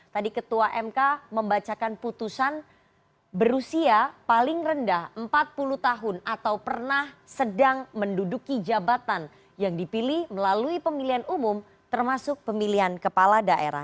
tadi ketua mk membacakan putusan berusia paling rendah empat puluh tahun atau pernah sedang menduduki jabatan yang dipilih melalui pemilihan umum termasuk pemilihan kepala daerah